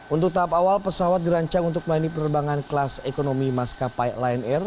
untuk tahap awal pesawat dirancang untuk melayani penerbangan kelas ekonomi maskapai lion air